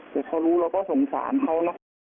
แต่เขารู้เราก็สงสารเขานะ